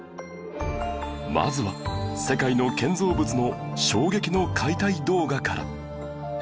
まずは世界の建造物の衝撃の解体動画から